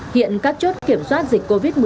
hiện các chốt kiểm soát dịch covid một mươi chín